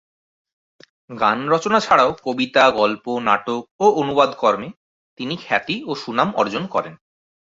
গান রচনা ছাড়াও কবিতা, গল্প, নাটক ও অনুবাদ কর্মে তিনি খ্যাতি ও সুনাম অর্জন করেন।